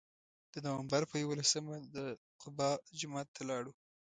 د نوامبر په یولسمه د قبا جومات ته لاړو.